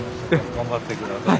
頑張って下さい。